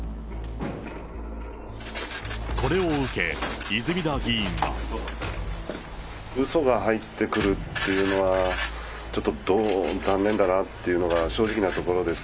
これを受け、泉田議員は。うそが入ってくるっていうのは、ちょっと残念だなっていうのが正直なところです。